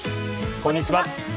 こんにちは。